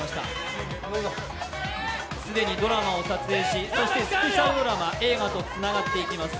既にドラマを撮影し、スペシャルドラマ、映画とつながっていきます。